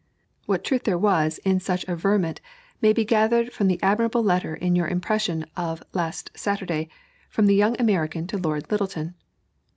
What truth there was in such averment may be gathered from the admirable letter in your impression of last Saturday from the young American to Lord Lyttelton.